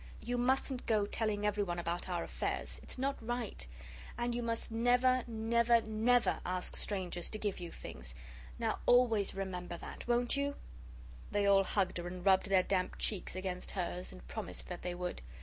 You mustn't go telling everyone about our affairs it's not right. And you must never, never, never ask strangers to give you things. Now always remember that won't you?" They all hugged her and rubbed their damp cheeks against hers and promised that they would.